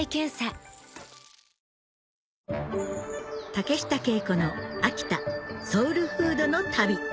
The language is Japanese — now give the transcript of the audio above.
竹下景子の秋田ソウルフードの旅